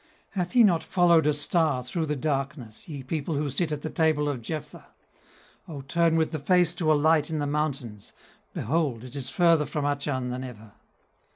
Hath he not followed a star through the darkness, Ye people who sit at the table of Jephthah? Oh! turn with the face to a light in the mountains, Behold it is further from Achan than ever!